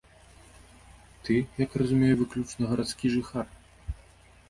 Ты, як разумею, выключна гарадскі жыхар.